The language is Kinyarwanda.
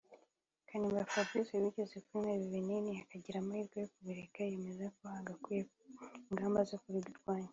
Kanimba Fabrice wigeze kunywa ibi binini akagira amahirwe yo kubireka yemeza ko hagakwiye ingamba zo kubirwanya